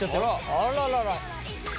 あららら。